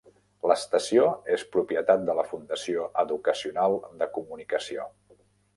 L'estació és propietat de la fundació educacional de comunicació.